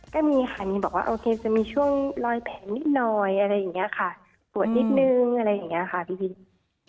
ก็มีค่ะมีบอกว่าโอเคจะมีช่วงรอยแผลนิดหน่อยอะไรอย่างนี้ค่ะปวดนิดนึงอะไรอย่างนี้ค่ะพี่บิน